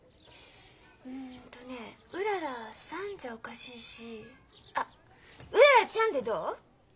うんとねえ「うららさん」じゃおかしいしあっ「うららちゃん」でどう？